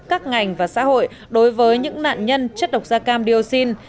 các ngành và xã hội đối với những nạn nhân chất độc gia cam diosin